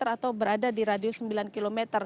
atau berada di radius sembilan km